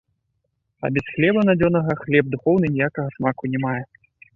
А без хлеба надзённага хлеб духоўны ніякага смаку не мае.